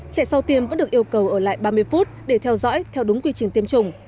trẻ sau tiêm vẫn được yêu cầu ở lại ba mươi phút để theo dõi theo đúng quy trình tiêm chủng